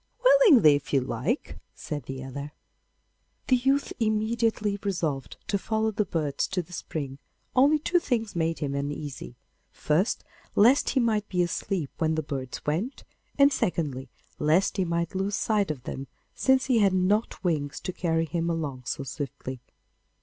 'Willingly, if you like,' said the other. The youth immediately resolved to follow the birds to the spring, only two things made him uneasy: first, lest he might be asleep when the birds went, and secondly, lest he might lose sight of them, since he had not wings to carry him along so swiftly.